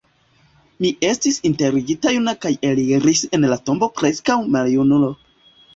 Mi estis enterigita juna kaj eliris el la tombo preskaŭ maljunulo.